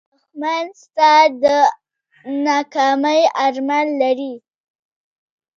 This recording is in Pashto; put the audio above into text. دښمن ستا د ناکامۍ ارمان لري